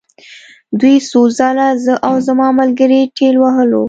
دوی څو ځله زه او زما ملګري ټېل وهلو